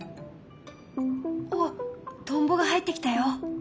わっトンボが入ってきたよ。